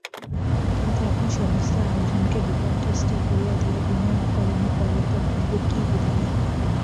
কিন্তু এখন সমস্ত আয়োজনকে বিপর্যস্ত করিয়া দিয়া বিনয় অকারণে পলাতক হইবে কী বলিয়া?